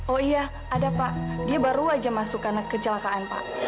oh iya ada pak dia baru aja masuk karena kecelakaan pak